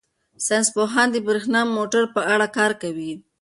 ساینس پوهان د بریښنايي موټرو په اړه کار کوي.